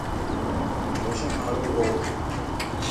Oshamaru o.